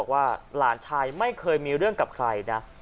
ว่าหลานชายไม่เคยมีเรื่องกับใครนะ